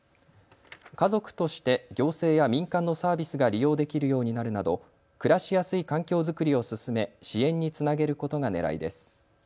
家族として行政や民間のサービスが利用できるようになるなど暮らしやすい環境づくりを進め支援につなげることがねらいです。